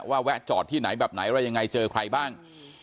แวะจอดที่ไหนแบบไหนอะไรยังไงเจอใครบ้าง